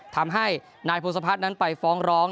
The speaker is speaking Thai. ทำให้นายพงศพัฒน์นั้นไปฟ้องร้อง